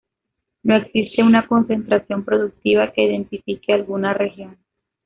No existe una concentración productiva que identifique alguna región.